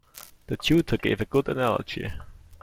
The tutor gave a good analogy.